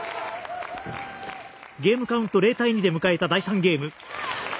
ゲームカウント、０対２で迎えた第３ゲーム。